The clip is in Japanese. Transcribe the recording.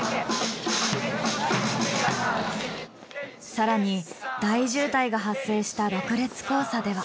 更に大渋滞が発生した６列交差では。